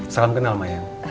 salam kenal mayang